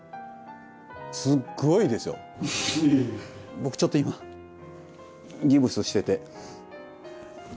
僕ちょっと今ギプスしてて。